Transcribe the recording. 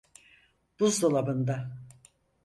Buzdolabında.